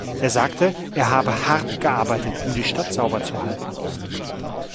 Er sagte, er habe hart gearbeitet, um die Stadt sauber zu halten.